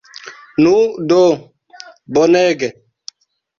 Nu do, bonege!